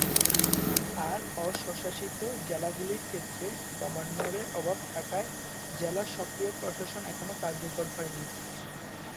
আর অ-স্বশাসিত জেলাগুলির ক্ষেত্রে গভর্নরের অভাব থাকায় জেলার সক্রিয় প্রশাসন এখনও কার্যকর হয়নি।